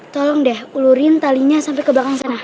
tolong deh ulurin talinya sampai ke belakang sana